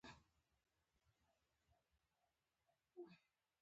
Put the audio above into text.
حنیف اتمر د پاکستان د تجاوز پټې ریښې خاورې پورته کړې.